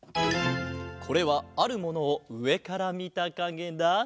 これはあるものをうえからみたかげだ。